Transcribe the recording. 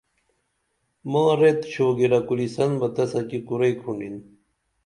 ماں ریت شوگِرہ کُرِسن بہ تسہ کی کُرئی کُھنڈِن